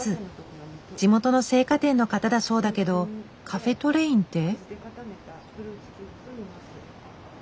地元の製菓店の方だそうだけどカフェトレインって？